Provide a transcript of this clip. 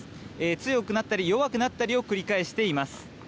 強くなったり弱くなったりを繰り返しています。